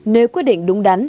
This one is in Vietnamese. nếu quyết định đúng đắn